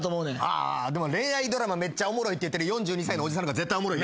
あでも恋愛ドラマめっちゃおもろいって言ってる４２歳のおじさんのが絶対おもろい。